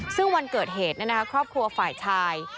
ซึ่งวันเกิดเหตุครอบครัวฝ่ายชาย